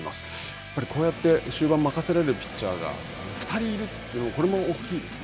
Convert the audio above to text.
やっぱり、こうやって終盤を任せられるピッチャーが２人いる、これも大きいですね。